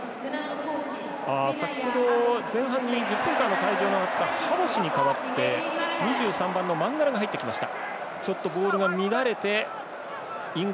先ほど、前半に１０分間の退場があったハボシに代わって２３番のマンガラが入ってきました。